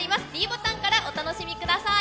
ｄボタンからお楽しみください。